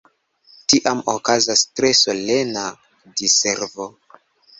Tiam okazas tre solena Diservo.